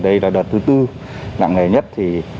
đây là đợt thứ bốn